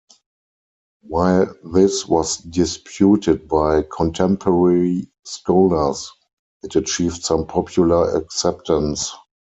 While this was disputed by contemporary scholars, it achieved some popular acceptance.